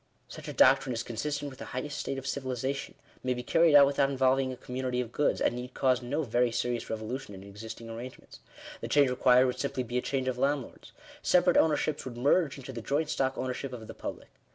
Such a doctrine is consistent with the highest state of civilization ; may be carried out without involving j a community of goods ; and need cause no very serious revolu ' (ion in existing arrangements. The change required would simply be a change of landlords. Separate ownerships would 1 merge into the joint stock ownership of the public.